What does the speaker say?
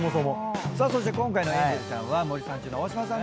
さあそして今回のエンジェルちゃんは森三中の大島さん